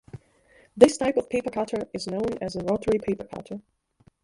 This type of paper cutter is known as a rotary paper cutter.